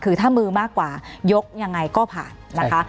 คือถ้ามือมากกว่ายกยังไงก็ผ่านนะคะ